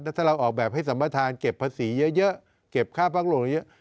แล้วถ้าเราออกแบบให้สัมปทานเก็บภาษีเยอะเยอะเก็บค่าภักดรมเยอะเยอะ